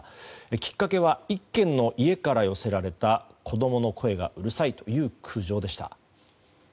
きっかけは１軒の家から寄せられた子供の声がうるさいという苦情でした。